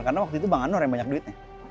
karena waktu itu bang anwar yang banyak duitnya